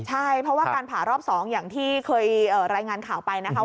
ใช่เพราะว่าการผ่ารอบ๒อย่างที่เคยรายงานข่าวไปนะคะ